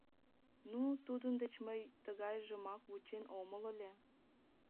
Ну, тудын деч мый тыгайжымак вучен омыл ыле.